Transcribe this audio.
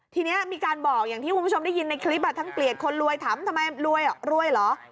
ทีนี้มีการบอกอย่างที่คุณผู้ชมได้ยินในคลิปทั้งเกลียดคนรวยถามทำไมรวยรวยเหรอ